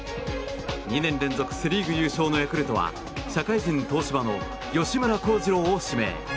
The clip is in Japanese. ２年連続セ・リーグ優勝のヤクルトは社会人、東芝の吉村貢司郎を指名。